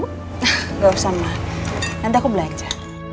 nggak usah ma nanti aku belanja